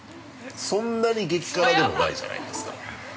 そんなに激辛でもないじゃないですか。